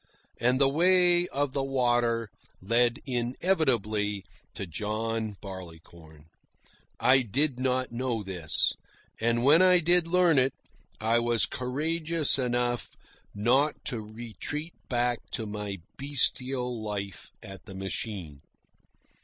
And the way of the water led inevitably to John Barleycorn. I did not know this. And when I did learn it, I was courageous enough not to retreat back to my bestial life at the machine.